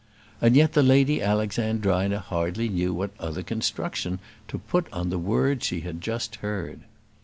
And yet the Lady Alexandrina hardly knew what other construction to put on the words she had just heard.